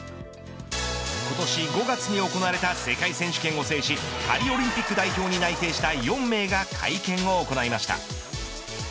今年５月に行われた世界選手権を制しパリオリンピック代表に内定した４名が会見を行いました。